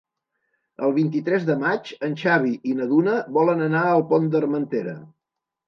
El vint-i-tres de maig en Xavi i na Duna volen anar al Pont d'Armentera.